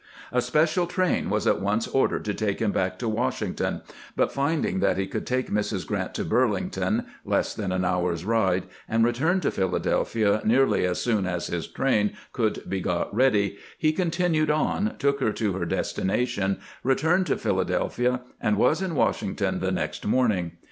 A special train was at once ordered to take him back to Washington, but finding that he could take Mrs. Grrant to Burlington (less than an hour's ride), and return to Philadelphia nearly as soon as his train could be got ready, he continued on, took her to her destination, returned to Philadelphia, and was in Washington the next morning.